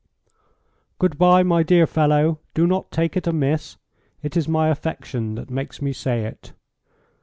"Good bye, my dear fellow; do not take it amiss. It is my affection that makes me say it.